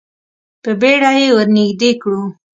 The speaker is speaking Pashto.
په بیړه یې ور نږدې کړو.